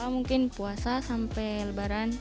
mungkin puasa sampai lebaran